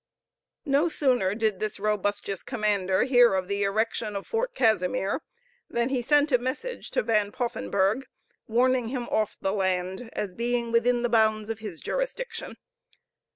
No sooner did this robustious commander hear of the erection of Fort Casimir, than he sent a message to Van Poffenburgh, warning him off the land, as being within the bounds of his jurisdiction.